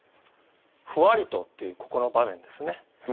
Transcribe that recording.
「ふわりと」というここの場面ですね。